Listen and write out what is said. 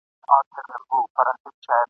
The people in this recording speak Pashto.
نه هیڅ خت ورته قسمت هسي خندلي ..